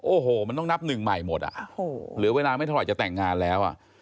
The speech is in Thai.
โอ้โหมันต้องนับหนึ่งใหม่หมดอ่ะเหลือเวลาไม่เท่าไหร่จะแต่งงานแล้วอ่ะ